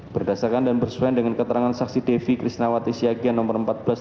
berdasarkan dan bersuai dengan keterangan saksi devi krishnawati syakian nomor empat belas empat puluh satu